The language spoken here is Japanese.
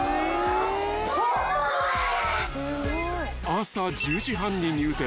［朝１０時半に入店］